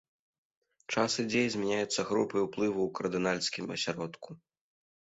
Час ідзе і змяняюцца групы ўплыву ў кардынальскім асяродку.